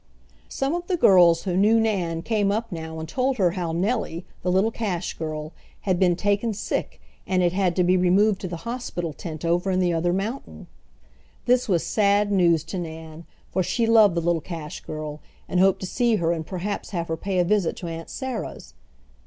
Some of the girls who knew Nan came up now and told her how Nellie, the little cash girl, had been taken sick and had had to be removed to the hospital tent over in the other mountain. This was sad news to Nan, for she loved the little cash girl, and hoped to see her and perhaps have her pay a visit to Aunt Sarah's.